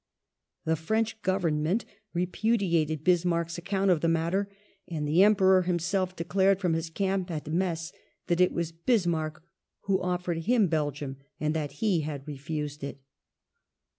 The French Govern ment repudiated Bismarck's account of the matter, and the Emperor himself declared from his camp at Metz that it was Bismarck who offered him Belgium and that he had refused it.